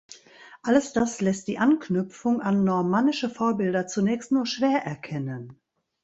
Alles das lässt die Anknüpfung an normannische Vorbilder zunächst nur schwer erkennen.